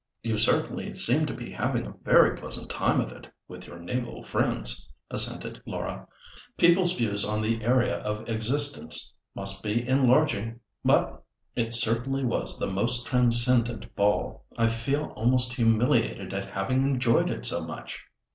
"You certainly seemed to be having a very pleasant time of it, with your naval friends," assented Laura. "People's views of the area of existence must be enlarging. But it certainly was the most transcendent ball. I feel almost humiliated at having enjoyed it so much."